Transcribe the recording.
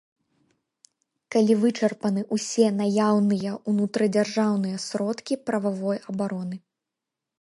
Калі вычарпаны ўсе наяўныя ўнутрыдзяржаўныя сродкі прававой абароны.